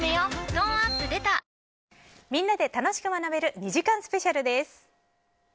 トーンアップ出たみんなで楽しく学べる２時間スペシャルです。